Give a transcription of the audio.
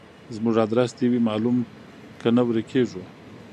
زموږ ادرس دي وي معلوم کنه ورکیږو